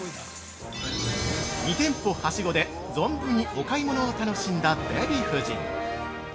２店舗はしごで存分にお買い物を楽しんだデヴィ夫人。